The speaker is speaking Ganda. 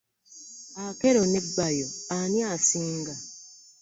Akello ne Bayo ani asinga?